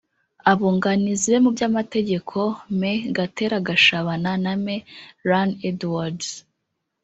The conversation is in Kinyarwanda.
abunganizi be mu by’amategeko Me Gatera Gashabana na Me Lan Edwards